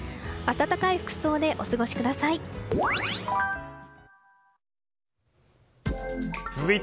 暖かい服装でお過ごしください。